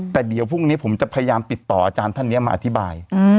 แต่เดี๋ยวพรุ่งนี้ผมจะพยายามติดต่ออาจารย์ท่านนี้มาอธิบาย